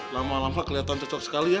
lama lama kelihatan cocok sekali ya